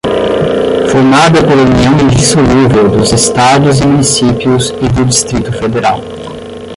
formada pela união indissolúvel dos Estados e Municípios e do Distrito Federal